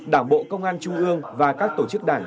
đảng bộ công an trung ương và các tổ chức đảng